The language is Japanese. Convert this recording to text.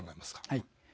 はい。